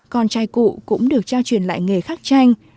con trai cụ cũng được trao truyền lại nghề khắc tranh